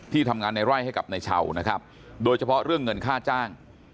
ทำงานในไร่ให้กับนายเช่านะครับโดยเฉพาะเรื่องเงินค่าจ้าง